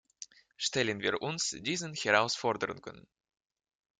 Stellen wir uns diesen Herausforderungen!